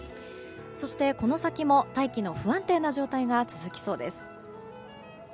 そして、この先も大気の不安定な状態が続きそうです。